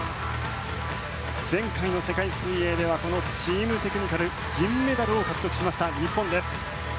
前回の世界水泳ではチームテクニカル銀メダルを獲得しました日本です。